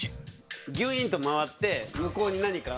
ギュイーンと回って向こうに何かあるのよ。